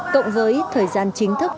cộng với thời gian chính thức